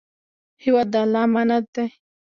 هېواد د الله امانت دی.